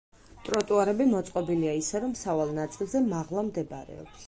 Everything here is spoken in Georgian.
ტროტუარები მოწყობილია ისე რომ სავალ ნაწილზე მაღლა მდებარეობს.